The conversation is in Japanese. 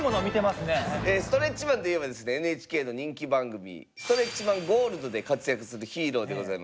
ストレッチマンといえばですねＮＨＫの人気番組「ストレッチマン・ゴールド」で活躍するヒーローでございます。